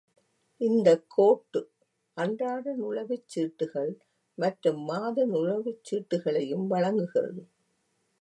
இந்தக் கோட்டு அன்றாட நுழைவுச்சீட்டுகள் மற்றும் மாத நுழைவுச்சீட்டுகளையும் வழங்குகிறது.